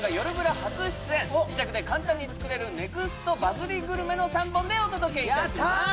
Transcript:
初出演自宅で簡単に作れるネクストバズりグルメの３本でお届けいたします